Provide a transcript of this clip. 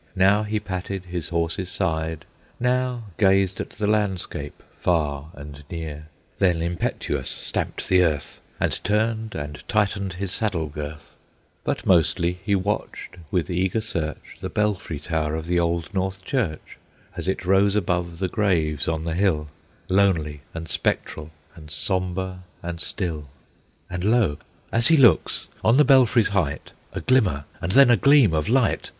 Now he patted his horse's side, Now gazed at the landscape far and near, Then, impetuous, stamped the earth, And turned and tightened his saddle girth; But mostly he watched with eager search The belfry tower of the Old North Church, As it rose above the graves on the hill, Lonely and spectral and sombre and still. And lo! as he looks, on the belfry's height A glimmer, and then a gleam of light!